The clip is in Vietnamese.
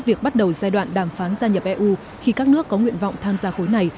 việc bắt đầu giai đoạn đàm phán gia nhập eu khi các nước có nguyện vọng tham gia khối này